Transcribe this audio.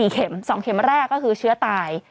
เข็ม๒เข็มแรกก็คือเชื้อตาย